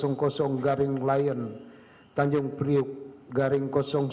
garing layan tanjung priuk garing satu ratus sembilan puluh tiga